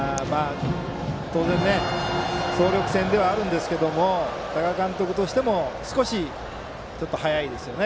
当然、総力戦ではあるんですけど多賀監督としても少し早いですよね